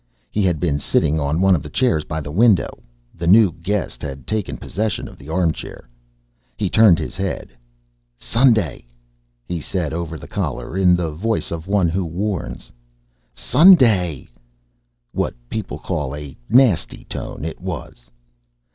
He had been sitting on one of the chairs by the window the new guest had taken possession of the arm chair. He turned his head. "Sun Day!" he said over the collar, in the voice of one who warns. "Sun Day!" What people call a "nasty" tone, it was.